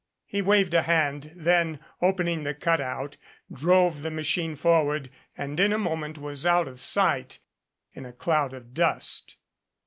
He waved a hand, then, opening the cutout, drove the machine forward and in a moment was out of sight in a cloud of dust.